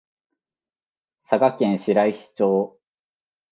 佐賀県白石町